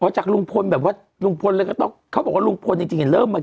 จากลุงพลแบบว่าลุงพลเลยก็ต้องเขาบอกว่าลุงพลจริงจริงเห็นเริ่มมา